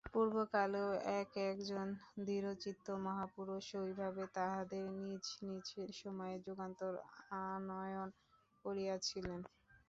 পূর্বকালেও এক এক জন দৃঢ়চিত্ত মহাপুরুষ ঐভাবে তাঁহাদের নিজ নিজ সময়ে যুগান্তর আনয়ন করিয়াছিলেন।